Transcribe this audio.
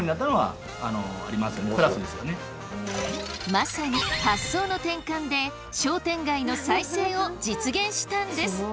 まさに発想の転換で商店街の再生を実現したんです。